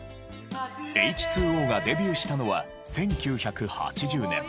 Ｈ２Ｏがデビューしたのは１９８０年。